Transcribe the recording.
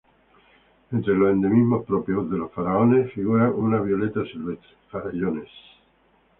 Entre los endemismos propios de los Farallones figura una violeta silvestre.